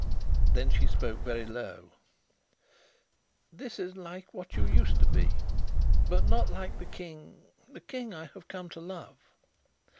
Then she spoke very low: "This is like what you used to be; but not like the King the King I I have come to love!"